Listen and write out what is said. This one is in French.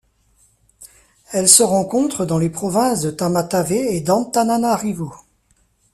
Elle se rencontre dans les provinces de Tamatave et d'Antananarivo.